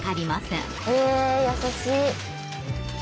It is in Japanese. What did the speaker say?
へえ優しい。